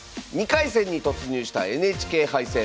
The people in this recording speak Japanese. ２回戦に突入したＮＨＫ杯戦。